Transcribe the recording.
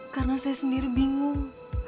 karena saya sendiri bingung